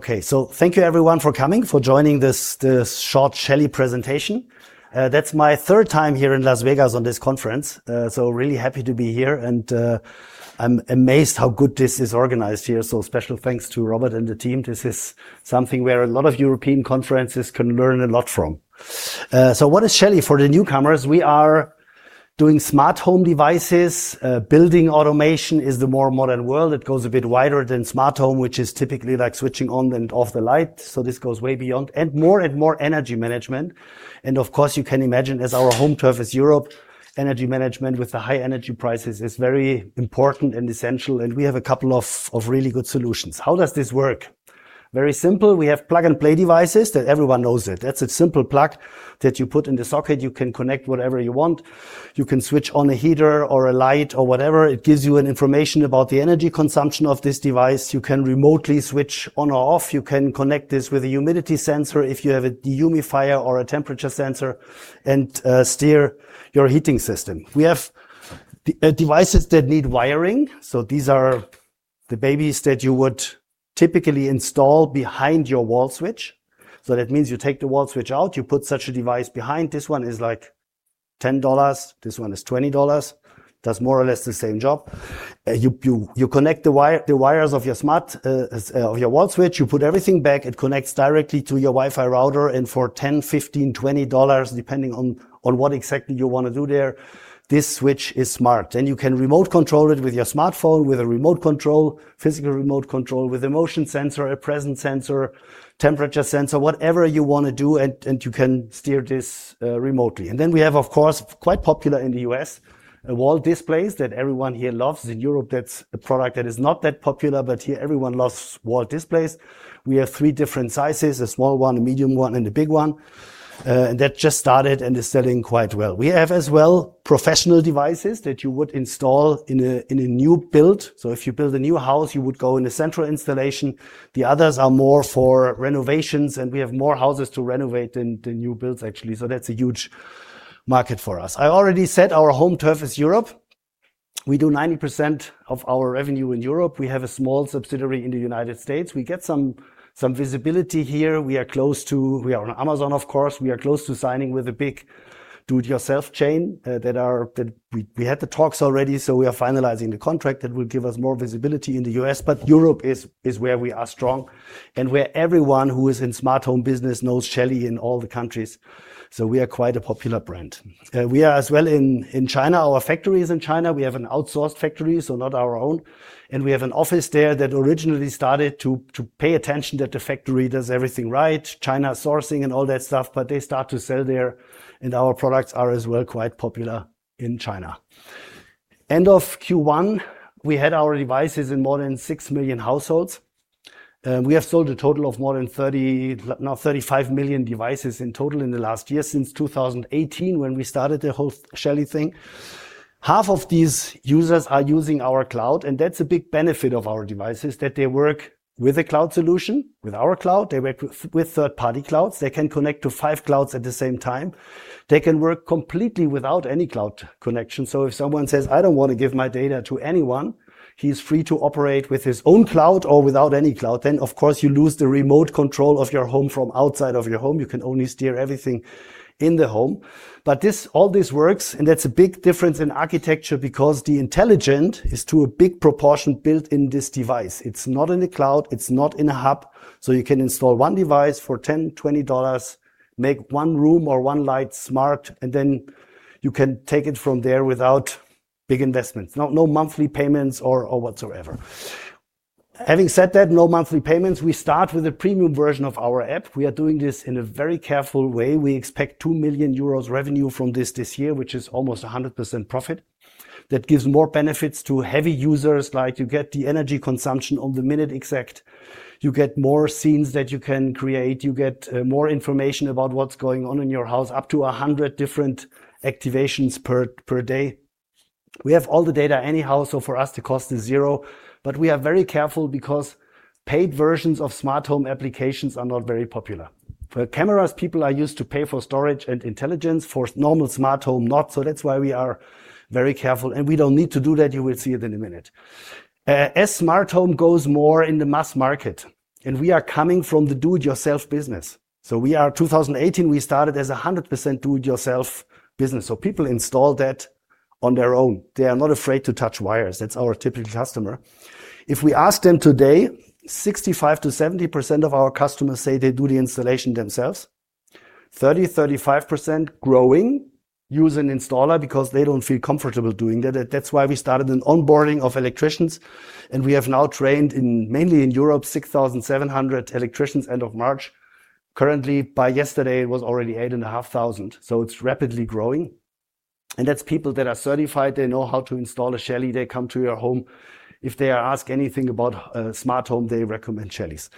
Thank you everyone for coming, for joining this short Shelly presentation. That's my third time here in Las Vegas on this conference. Really happy to be here and I'm amazed how good this is organized here. Special thanks to Robert and the team. This is something where a lot of European conferences can learn a lot from. What is Shelly? For the newcomers, we are doing smart home devices. Building automation is the more modern world. It goes a bit wider than smart home, which is typically like switching on and off the light. This goes way beyond, and more and more energy management. Of course you can imagine as our home turf is Europe, energy management with the high energy prices is very important and essential, and we have a couple of really good solutions. How does this work? Very simple. We have plug-and-play devices that everyone knows it. That's a simple plug that you put in the socket. You can connect whatever you want. You can switch on a heater or a light or whatever. It gives you an information about the energy consumption of this device. You can remotely switch on or off. You can connect this with a humidity sensor if you have a dehumidifier or a temperature sensor, and steer your heating system. We have devices that need wiring. These are the babies that you would typically install behind your wall switch. That means you take the wall switch out, you put such a device behind. This one is like $10, this one is $20, does more or less the same job. You connect the wires of your wall switch. You put everything back. It connects directly to your Wi-Fi router, for $10, $15, $20, depending on what exactly you want to do there, this switch is smart. You can remote control it with your smartphone, with a remote control, physical remote control, with a motion sensor, a presence sensor, temperature sensor, whatever you want to do, and you can steer this remotely. We have, of course, quite popular in the U.S., wall displays that everyone here loves. In Europe, that's a product that is not that popular, but here everyone loves wall displays. We have three different sizes, a small one, a medium one, and a big one. That just started and is selling quite well. We have as well professional devices that you would install in a new build. If you build a new house, you would go in the central installation. The others are more for renovations, we have more houses to renovate than the new builds, actually. That's a huge market for us. I already said our home turf is Europe. We do 90% of our revenue in Europe. We have a small subsidiary in the U.S. We get some visibility here. We are on Amazon, of course. We are close to signing with a big do-it-yourself chain. We had the talks already, we are finalizing the contract. That will give us more visibility in the U.S. Europe is where we are strong and where everyone who is in smart home business knows Shelly in all the countries. We are quite a popular brand. We are as well in China. Our factory is in China. We have an outsourced factory, not our own. We have an office there that originally started to pay attention that the factory does everything right, China sourcing and all that stuff. They start to sell there, and our products are as well quite popular in China. End of Q1, we had our devices in more than 6 million households. We have sold a total of more than 35 million devices in total in the last year, since 2018 when we started the whole Shelly. Half of these users are using our cloud, and that's a big benefit of our devices, that they work with a cloud solution, with our cloud. They work with third-party clouds. They can connect to five clouds at the same time. They can work completely without any cloud connection. If someone says, "I don't want to give my data to anyone," he's free to operate with his own cloud or without any cloud. Of course, you lose the remote control of your home from outside of your home. You can only steer everything in the home. All this works, and that's a big difference in architecture because the intelligent is to a big proportion built in this device. It's not in the cloud. It's not in a hub. You can install one device for $10, $20, make one room or one light smart, and then you can take it from there without big investments. No monthly payments or whatsoever. Having said that, no monthly payments, we start with a premium version of our app. We are doing this in a very careful way. We expect 2 million euros revenue from this this year, which is almost 100% profit. That gives more benefits to heavy users. Like you get the energy consumption on the minute exact. You get more scenes that you can create. You get more information about what's going on in your house, up to 100 different activations per day. We have all the data anyhow, so for us the cost is zero. We are very careful because paid versions of smart home applications are not very popular. For cameras, people are used to pay for storage and intelligence. For normal smart home, not. That's why we are very careful. We don't need to do that. You will see it in a minute. As smart home goes more in the mass market, and we are coming from the do-it-yourself business. We are 2018, we started as 100% do-it-yourself business. People install that on their own. They are not afraid to touch wires. That's our typical customer. If we ask them today, 65%-70% of our customers say they do the installation themselves. 30%-35% growing use an installer because they don't feel comfortable doing that. That's why we started an onboarding of electricians, we have now trained in mainly in Europe, 6,700 electricians end of March. Currently, by yesterday, it was already 8,500. It's rapidly growing. That's people that are certified. They know how to install a Shelly. They come to your home. If they are asked anything about a smart home, they recommend Shellys.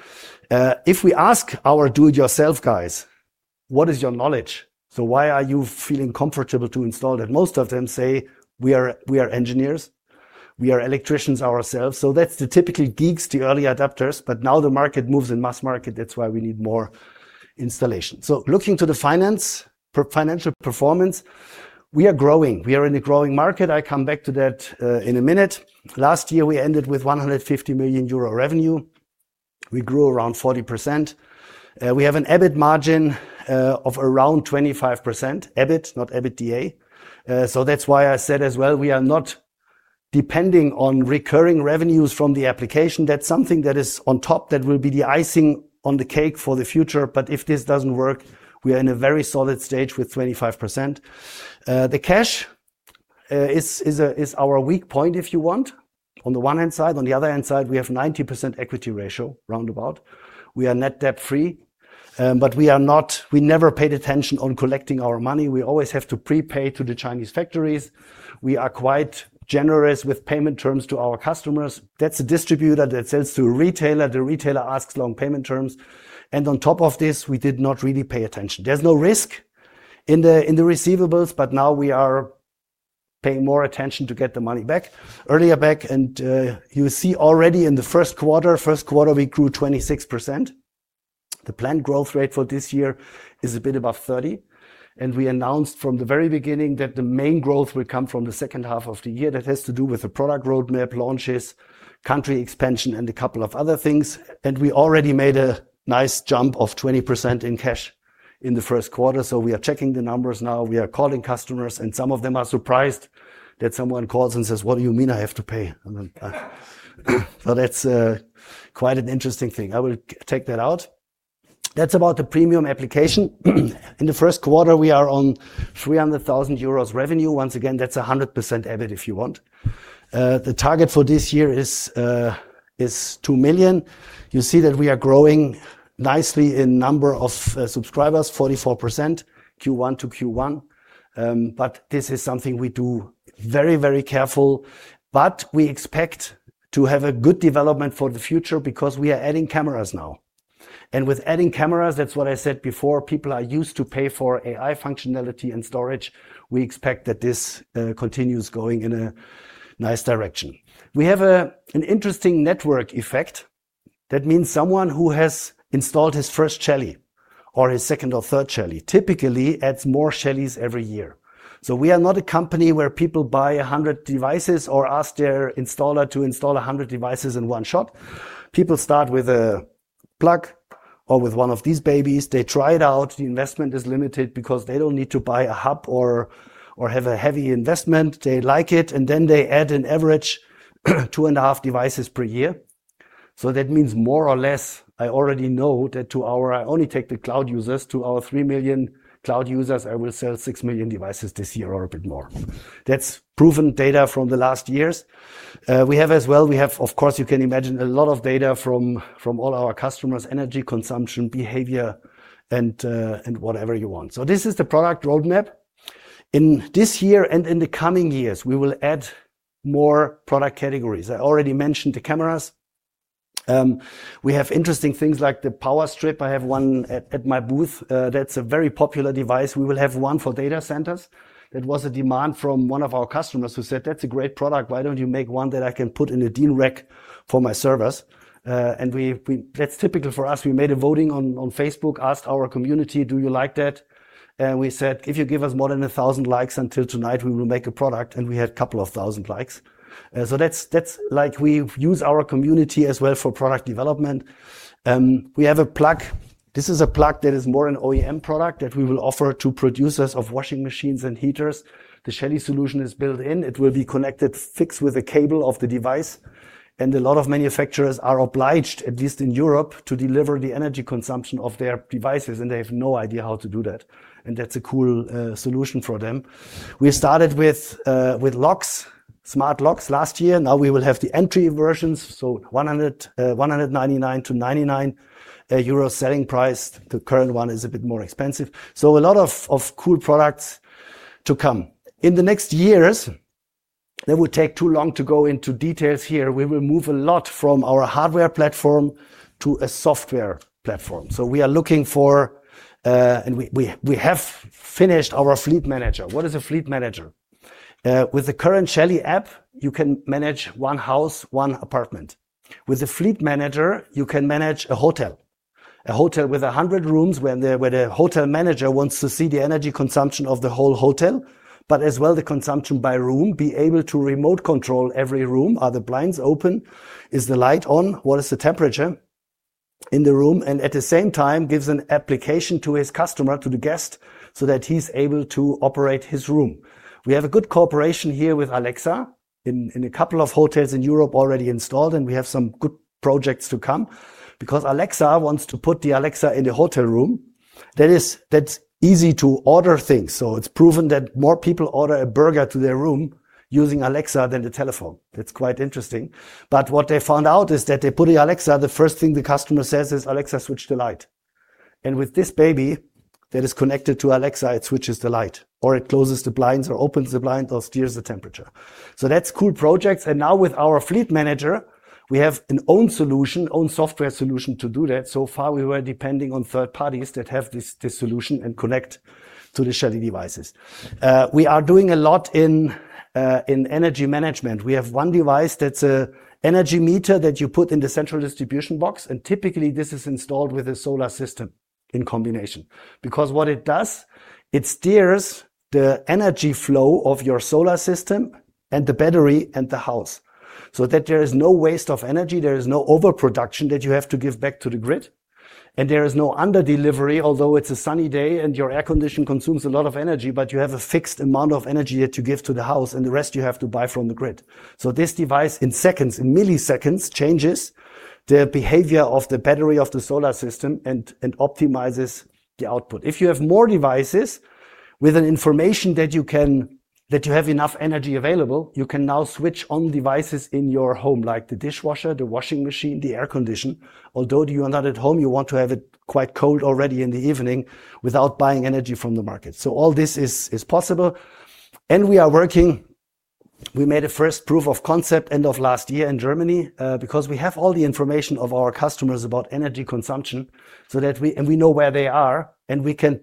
If we ask our do-it-yourself guys, "What is your knowledge? Why are you feeling comfortable to install it?" Most of them say, "We are engineers. We are electricians ourselves." That's the typically geeks, the early adapters. Now the market moves in mass market. That's why we need more installation. Looking to the financial performance, we are growing. We are in a growing market. I come back to that in a minute. Last year, we ended with 150 million euro revenue. We grew around 40%. We have an EBIT margin of around 25%. EBIT, not EBITDA. That's why I said as well, we are not depending on recurring revenues from the application. That's something that is on top that will be the icing on the cake for the future. If this doesn't work, we are in a very solid stage with 25%. The cash is our weak point, if you want, on the one hand side. On the other hand side, we have 90% equity ratio roundabout. We are net debt-free. We never paid attention on collecting our money. We always have to prepay to the Chinese factories. We are quite generous with payment terms to our customers. That's a distributor that sells to a retailer. The retailer asks long payment terms. On top of this, we did not really pay attention. There's no risk in the receivables. Now we are paying more attention to get the money back, earlier back. You see already in the first quarter, first quarter we grew 26%. The planned growth rate for this year is a bit above 30%, and we announced from the very beginning that the main growth will come from the second half of the year. That has to do with the product roadmap, launches, country expansion, and a couple of other things. We already made a nice jump of 20% in cash in the first quarter. We are checking the numbers now, we are calling customers, and some of them are surprised that someone calls and says, "What do you mean I have to pay?" That's quite an interesting thing. I will take that out. That's about the premium application. In the first quarter, we are on 300,000 euros revenue. Once again, that's 100% EBIT, if you want. The target for this year is 2 million. You see that we are growing nicely in number of subscribers, 44% Q1 to Q1. This is something we do very careful. We expect to have a good development for the future because we are adding cameras now. With adding cameras, that's what I said before, people are used to pay for AI functionality and storage. We expect that this continues going in a nice direction. We have an interesting network effect. That means someone who has installed his first Shelly or his second or third Shelly, typically adds more Shellys every year. We are not a company where people buy 100 devices or ask their installer to install 100 devices in one shot. People start with a plug or with one of these babies. They try it out. The investment is limited because they don't need to buy a hub or have a heavy investment. They like it, and then they add an average two and a half devices per year. That means more or less, I already know that to our-- I only take the cloud users, to our 3 million cloud users, I will sell 6 million devices this year or a bit more. That's proven data from the last years. We have as well, we have, of course, you can imagine, a lot of data from all our customers' energy consumption behavior and whatever you want. This is the product roadmap. In this year and in the coming years, we will add more product categories. I already mentioned the cameras. We have interesting things like the power strip. I have one at my booth. That's a very popular device. We will have one for data centers. That was a demand from one of our customers who said, "That's a great product. Why don't you make one that I can put in a DIN rail for my servers?" That's typical for us. We made a voting on Facebook, asked our community, "Do you like that?" We said, "If you give us more than 1,000 likes until tonight, we will make a product." We had couple of thousand likes. That's like we've used our community as well for product development. We have a plug. This is a plug that is more an OEM product that we will offer to producers of washing machines and heaters. The Shelly solution is built in. It will be connected fixed with a cable of the device. A lot of manufacturers are obliged, at least in Europe, to deliver the energy consumption of their devices, and they have no idea how to do that. That's a cool solution for them. We started with locks, smart locks last year. Now we will have the entry versions, 199 to 99 euro selling price. The current one is a bit more expensive. A lot of cool products to come. In the next years, it would take too long to go into details here. We will move a lot from our hardware platform to a software platform. We have finished our Fleet Manager. What is a Fleet Manager? With the current Shelly app, you can manage one house, one apartment. With the Fleet Manager, you can manage a hotel. A hotel with 100 rooms, where the hotel manager wants to see the energy consumption of the whole hotel, but as well the consumption by room, be able to remote control every room. Are the blinds open? Is the light on? What is the temperature in the room? At the same time, gives an application to his customer, to the guest, so that he's able to operate his room. We have a good cooperation here with Alexa in a couple of hotels in Europe already installed, and we have some good projects to come because Alexa wants to put the Alexa in the hotel room. That's easy to order things. It's proven that more people order a burger to their room using Alexa than the telephone. That's quite interesting. What they found out is that they put in Alexa, the first thing the customer says is, "Alexa, switch the light." With this baby that is connected to Alexa, it switches the light, or it closes the blinds or opens the blind or steers the temperature. That's cool projects. Now with our Fleet Manager, we have an own solution, own software solution to do that. So far, we were depending on third parties that have this solution and connect to the Shelly devices. We are doing a lot in energy management. We have one device that's an energy meter that you put in the central distribution box, and typically this is installed with a solar system in combination. What it does, it steers the energy flow of your solar system and the battery and the house, so that there is no waste of energy, there is no overproduction that you have to give back to the grid, and there is no under delivery, although it's a sunny day and your air condition consumes a lot of energy, but you have a fixed amount of energy that you give to the house, and the rest you have to buy from the grid. This device in seconds, in milliseconds, changes the behavior of the battery of the solar system and optimizes the output. If you have more devices with an information that you have enough energy available, you can now switch on devices in your home, like the dishwasher, the washing machine, the air condition. Although you are not at home, you want to have it quite cold already in the evening without buying energy from the market. All this is possible. We are working. We made a first proof of concept end of last year in Germany, because we have all the information of our customers about energy consumption, and we know where they are, and we can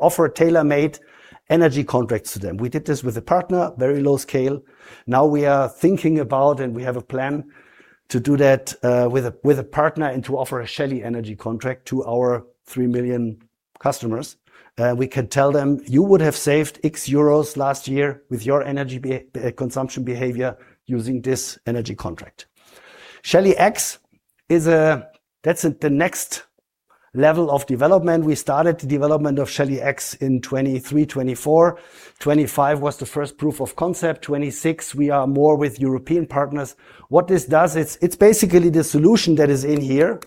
offer tailor-made energy contracts to them. We did this with a partner, very low scale. Now we are thinking about, and we have a plan to do that, with a partner and to offer a Shelly energy contract to our 3 million customers. We can tell them, "You would have saved X euros last year with your energy consumption behavior using this energy contract." Shelly X, that's the next level of development. We started the development of Shelly X in 2023, 2024. 2025 was the first proof of concept. 2026, we are more with European partners. What this does, it's basically the solution that is in here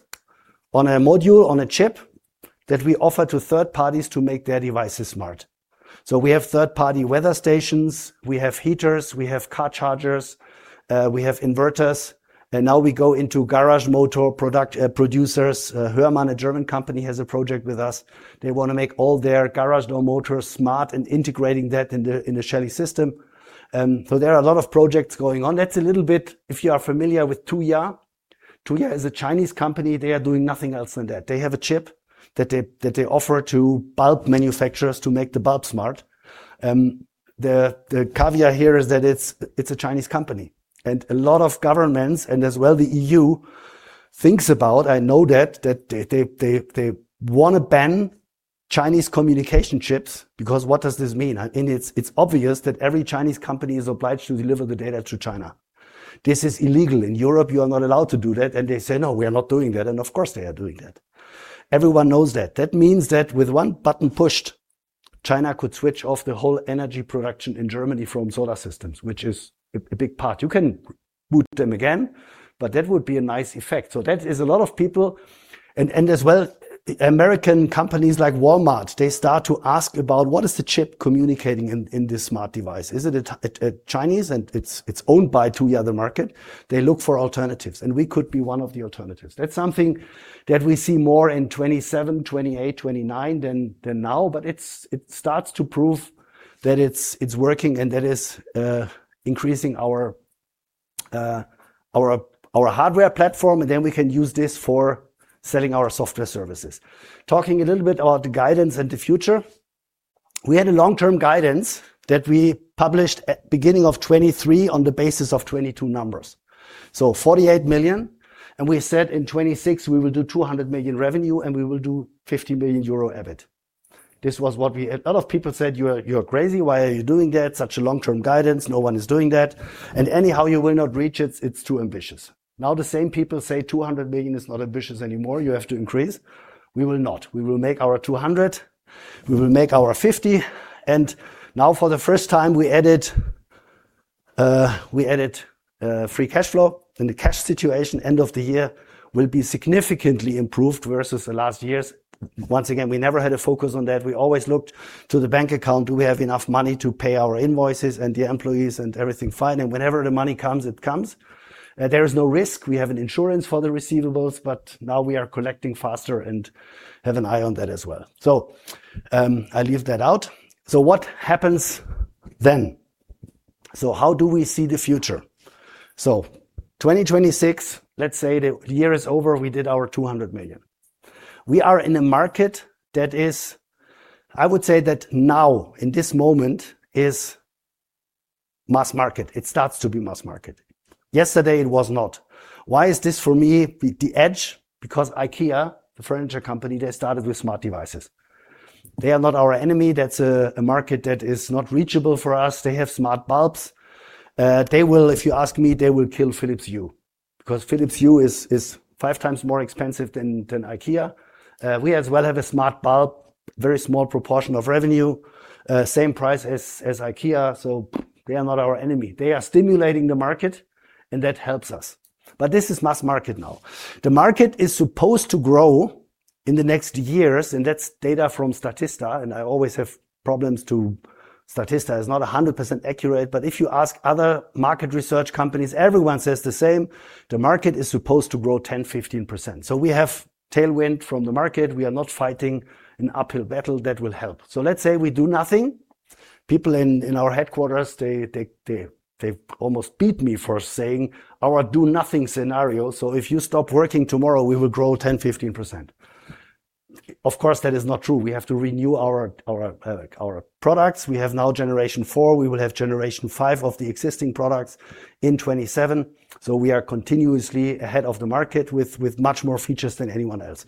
on a module, on a chip, that we offer to third parties to make their devices smart. We have third-party weather stations, we have heaters, we have car chargers, we have inverters, and now we go into garage motor producers. Hörmann, a German company, has a project with us. They want to make all their garage door motors smart and integrating that in the Shelly system. There are a lot of projects going on. That's a little bit, if you are familiar with Tuya. Tuya is a Chinese company. They are doing nothing else than that. They have a chip that they offer to bulb manufacturers to make the bulb smart. The caveat here is that it's a Chinese company, a lot of governments, as well the EU thinks about, I know that, they want to ban Chinese communication chips because what does this mean? It's obvious that every Chinese company is obliged to deliver the data to China. This is illegal. In Europe, you are not allowed to do that. They say, "No, we are not doing that," of course they are doing that. Everyone knows that. That means that with one button pushed, China could switch off the whole energy production in Germany from solar systems, which is a big part. You can boot them again, but that would be a nice effect. That is a lot of people. As well, American companies like Walmart, they start to ask about what is the chip communicating in this smart device? Is it Chinese? It's owned by Tuya, the market. They look for alternatives, we could be one of the alternatives. That's something that we see more in 2027, 2028, 2029 than now, it starts to prove that it's working, that is increasing our hardware platform, we can use this for selling our software services. Talking a little bit about the guidance and the future. We had a long-term guidance that we published at beginning of 2023 on the basis of 2022 numbers. 48 million, we said in 2026, we will do 200 million revenue and we will do 50 million euro EBIT. A lot of people said, "You're crazy. Why are you doing that? Such a long-term guidance. No one is doing that." Anyhow, you will not reach it. It's too ambitious. Now the same people say 200 million is not ambitious anymore. You have to increase. We will not. We will make our 200 million, we will make our 50 million, now for the first time, we added free cash flow, the cash situation end of the year will be significantly improved versus the last years. Once again, we never had a focus on that. We always looked to the bank account. Do we have enough money to pay our invoices and the employees and everything fine? Whenever the money comes, it comes. There is no risk. We have an insurance for the receivables, now we are collecting faster and have an eye on that as well. I leave that out. What happens then? How do we see the future? 2026, let's say the year is over, we did our 200 million. We are in a market that is, I would say that now in this moment is mass market. It starts to be mass market. Yesterday it was not. Why is this for me the edge? IKEA, the furniture company, they started with smart devices. They are not our enemy. That's a market that is not reachable for us. They have smart bulbs. If you ask me, they will kill Philips Hue, because Philips Hue is five times more expensive than IKEA. We as well have a smart bulb, very small proportion of revenue, same price as IKEA, they are not our enemy. They are stimulating the market and that helps us. This is mass market now. The market is supposed to grow in the next years, that's data from Statista, I always have problems to Statista. It's not 100% accurate. If you ask other market research companies, everyone says the same. The market is supposed to grow 10%-15%. We have tailwind from the market. We are not fighting an uphill battle. That will help. Let's say we do nothing. People in our headquarters, they've almost beat me for saying our do nothing scenario. If you stop working tomorrow, we will grow 10%-15%. Of course, that is not true. We have to renew our products. We have now generation 4. We will have generation 5 of the existing products in 2027. We are continuously ahead of the market with much more features than anyone else.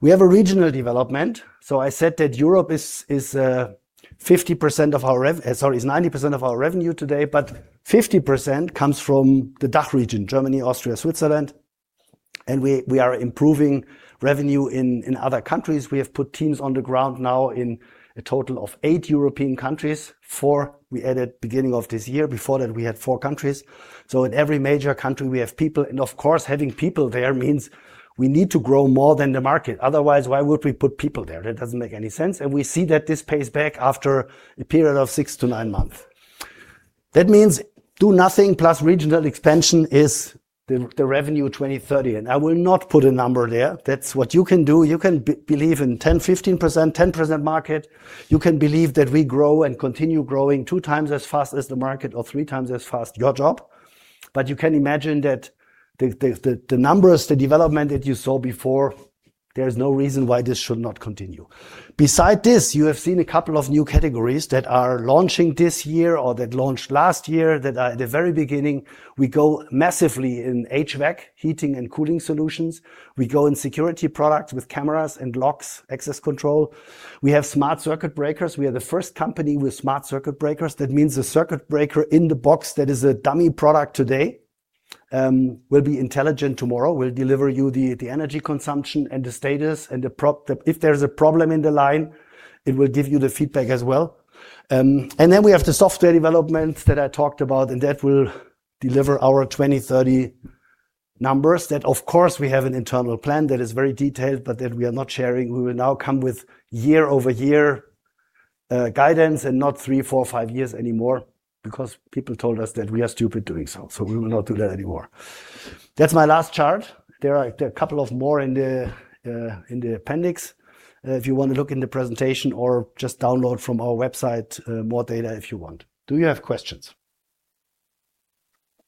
We have a regional development. I said that Europe is 90% of our revenue today, but 50% comes from the DACH region, Germany, Austria, Switzerland, and we are improving revenue in other countries. We have put teams on the ground now in a total of eight European countries. Four we added beginning of this year. Before that, we had four countries. In every major country we have people, and of course, having people there means we need to grow more than the market. Otherwise, why would we put people there? That doesn't make any sense, and we see that this pays back after a period of six to nine months. That means do nothing plus regional expansion is the revenue 2030, and I will not put a number there. That's what you can do. You can believe in 10%, 15%, 10% market. You can believe that we grow and continue growing two times as fast as the market or three times as fast. Your job. You can imagine that the numbers, the development that you saw before, there's no reason why this should not continue. Beside this, you have seen a couple of new categories that are launching this year or that launched last year that are at the very beginning. We go massively in HVAC, heating and cooling solutions. We go in security products with cameras and locks, access control. We have smart circuit breakers. We are the 1st company with smart circuit breakers. That means the circuit breaker in the box that is a dummy product today will be intelligent tomorrow. Will deliver you the energy consumption and the status, and if there's a problem in the line, it will give you the feedback as well. We have the software developments that I talked about, and that will deliver our 2030 numbers that, of course, we have an internal plan that is very detailed, but that we are not sharing. We will now come with year-over-year guidance and not three, four, five years anymore because people told us that we are stupid doing so. We will not do that anymore. That's my last chart. There are a couple of more in the appendix if you want to look in the presentation or just download from our website more data if you want. Do you have questions?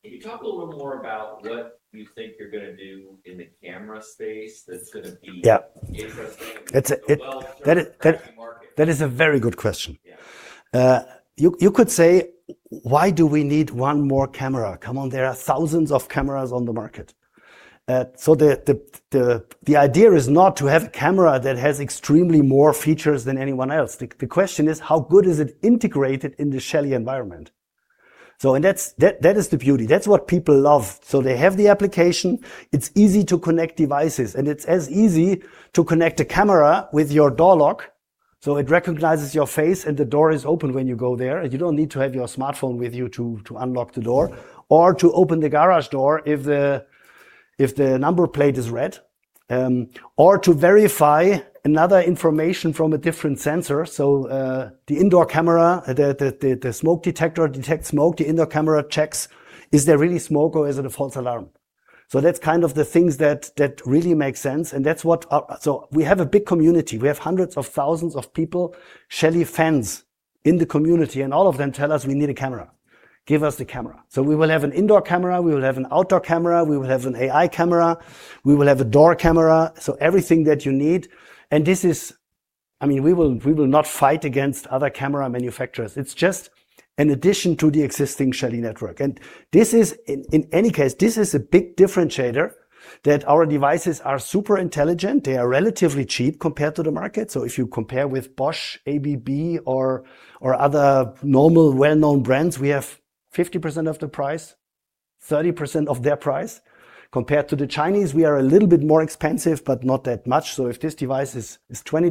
Can you talk a little more about what you think you're going to do in the camera space that's going to be- Yeah -interesting? That is a very good question. Yeah. You could say, "Why do we need one more camera? Come on, there are thousands of cameras on the market." The idea is not to have a camera that has extremely more features than anyone else. The question is, how good is it integrated in the Shelly environment? That is the beauty. That's what people love. They have the application. It's easy to connect devices, and it's as easy to connect a camera with your door lock, so it recognizes your face and the door is open when you go there, and you don't need to have your smartphone with you to unlock the door. Or to open the garage door if the number plate is read. Or to verify another information from a different sensor. The smoke detector detects smoke, the indoor camera checks is there really smoke or is it a false alarm? That's kind of the things that really make sense. We have a big community. We have hundreds of thousands of people, Shelly fans, in the community, and all of them tell us, "We need a camera. Give us the camera." We will have an indoor camera, we will have an outdoor camera, we will have an AI camera, we will have a door camera. Everything that you need. We will not fight against other camera manufacturers. It's just an addition to the existing Shelly network. This is, in any case, this is a big differentiator, that our devices are super intelligent. They are relatively cheap compared to the market. If you compare with Bosch, ABB or other normal well-known brands, we have 50% of the price, 30% of their price. Compared to the Chinese, we are a little bit more expensive, but not that much. If this device is EUR 20,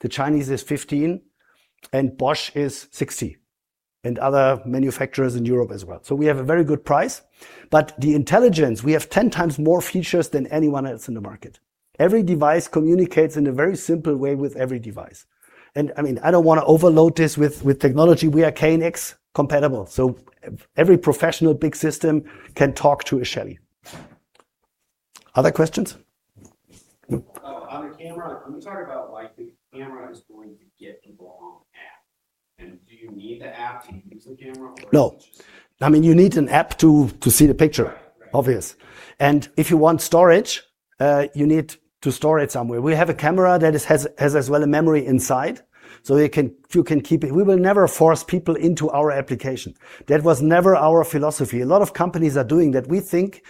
the Chinese is 15, and Bosch is 60. Other manufacturers in Europe as well. We have a very good price. But the intelligence, we have 10 times more features than anyone else in the market. Every device communicates in a very simple way with every device. I don't want to overload this with technology. We are KNX compatible. Every professional big system can talk to a Shelly. Other questions? On the camera, can you talk about the camera is going to get its own app, and do you need the app to use the camera or- No. You need an app to see the picture. Right. Obvious. If you want storage, you need to store it somewhere. We have a camera that has as well a memory inside, so you can keep it. We will never force people into our application. That was never our philosophy. A lot of companies are doing that. We think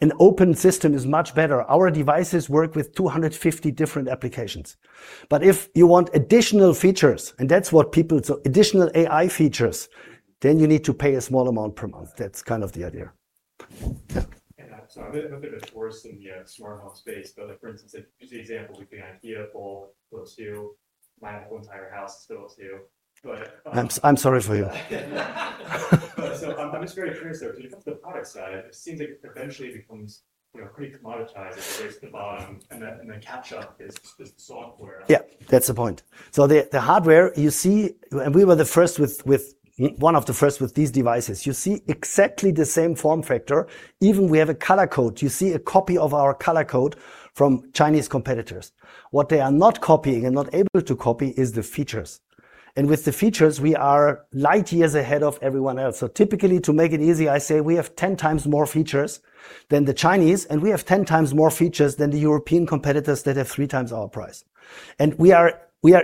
an open system is much better. Our devices work with 250 different applications. If you want additional features, additional AI features, then you need to pay a small amount per month. That's kind of the idea. Yeah. I'm a bit of a tourist in the smart home space. For instance, just the example with the IKEA bulb, it's built to my whole entire house is built to, I'm sorry for you. I'm just very curious though, because the product side, it seems like it eventually becomes pretty commoditized as the race to the bottom, and the catch-up is the software. Yeah. That's the point. The hardware you see-- We were one of the first with these devices. You see exactly the same form factor. Even we have a color code. You see a copy of our color code from Chinese competitors. What they are not copying and not able to copy is the features. With the features, we are light years ahead of everyone else. Typically, to make it easy, I say we have 10 times more features than the Chinese, and we have 10 times more features than the European competitors that have three times our price. We are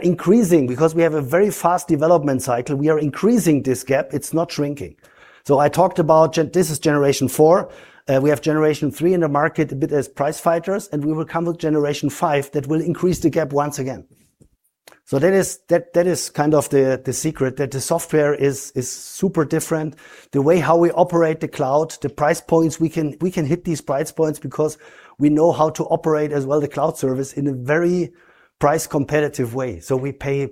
increasing because we have a very fast development cycle. We are increasing this gap. It's not shrinking. I talked about this is generation 4. We have generation three in the market a bit as price fighters. We will come with generation five that will increase the gap once again. That is kind of the secret, that the software is super different. The way how we operate the cloud, the price points, we can hit these price points because we know how to operate as well the cloud service in a very price competitive way. We pay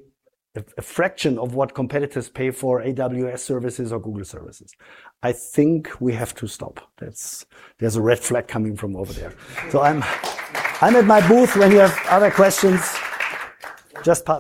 a fraction of what competitors pay for Amazon Web Services or Google services. I think we have to stop. There is a red flag coming from over there. I am at my booth when you have other questions.